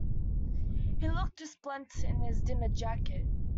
He looked resplendent in his dinner jacket